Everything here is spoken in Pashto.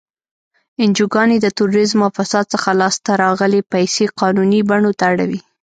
انجوګانې د تروریزم او فساد څخه لاس ته راغلی پیسې قانوني بڼو ته اړوي.